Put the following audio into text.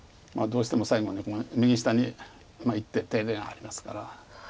まあどうしても最後に右下に１手手入れがありますから。